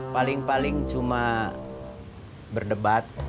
paling paling cuma berdebat